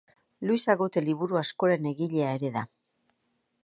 Luis Agote liburu askoren egilea ere da.